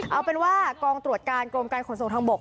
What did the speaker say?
เอาเป็นว่ากองตรวจการกรมการขนส่งทางบก